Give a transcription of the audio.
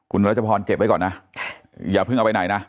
คุณรัชพรเก็บไว้ก่อนนะอย่าเพิ่งเอาไปไหนนะ